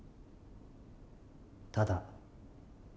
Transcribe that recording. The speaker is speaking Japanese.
ただ？